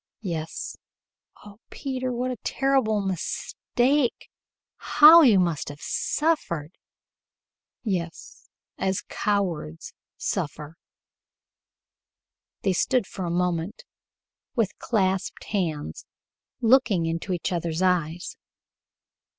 "Yes." "Oh, Peter! What a terrible mistake! How you must have suffered!" "Yes, as cowards suffer." They stood for a moment with clasped hands, looking into each other's eyes.